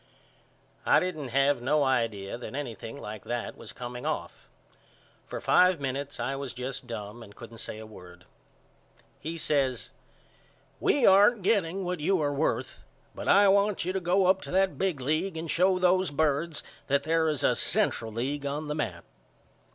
I didn't have no idea that anything like that was coming off. For five minutes I was just dum and couldn't say a word. He says We aren't getting what you are worth but I want you to go up to that big league and show those birds that there is a Central League on the map.